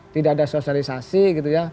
tidak ada sosialisasi gitu ya